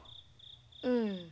うん。